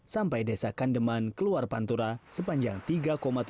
sampai desa kandeman keluar pantura sepanjang tiga tujuh